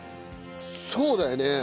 そうだよね。